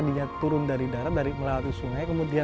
dan ini masih bisa tumbuh